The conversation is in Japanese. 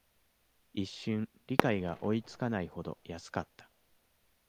一瞬、理解が追いつかないほど安かった